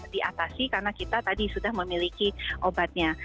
diatasi karena kita tadi sudah memiliki obatnya